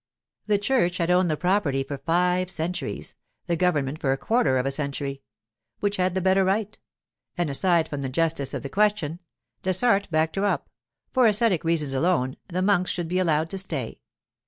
The church had owned the property for five centuries, the government for a quarter of a century. Which had the better right? And aside from the justice of the question—Dessart backed her up—for ascetic reasons alone, the monks should be allowed to stay.